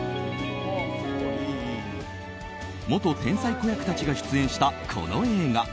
元天才子役たちが出演したこの映画。